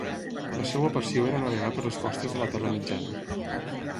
La seva passió era navegar per les costes de la Terra Mitjana.